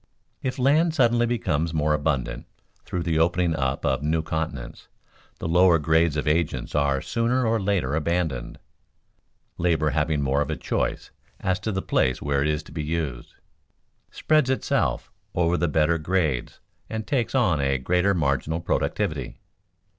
_ If land suddenly becomes more abundant through the opening up of new continents, the lower grades of agents are sooner or later abandoned. Labor having more of a choice as to the place where it is to be used, spreads itself over the better grades and takes on a greater marginal productivity.